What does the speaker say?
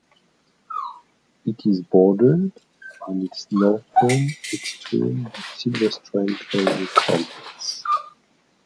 It is bordered on its northern extreme by Silver Strand Training Complex.